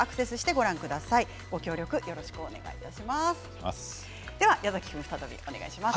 ご協力よろしくお願いします。